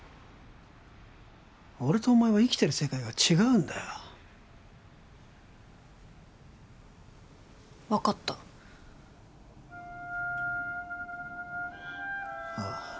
俺とお前は生きてる世界が違うんだよ分かったああ